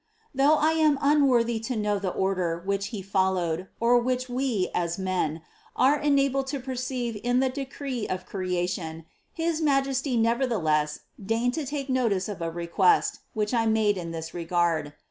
33. Though I am unworthy to know the order which He followed, or which we, as men, are enabled to per ceive in the decree of creation, his Majesty nevertheless deigned to take notice of a request, which I made in this regard.